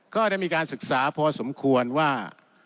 ก็ได้มีการศึกษาพอสมควรว่า